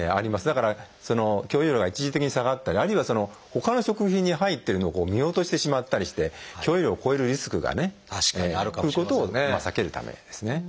だから許容量が一時的に下がったりあるいはほかの食品に入ってるのを見落としてしまったりして許容量を超えるリスクがねということを避けるためですね。